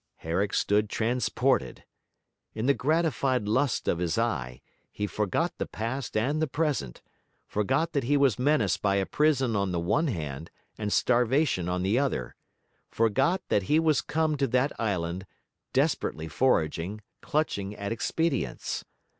Herrick stood transported. In the gratified lust of his eye, he forgot the past and the present; forgot that he was menaced by a prison on the one hand and starvation on the other; forgot that he was come to that island, desperately foraging, clutching at expedients.